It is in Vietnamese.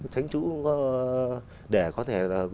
tránh trú để có thể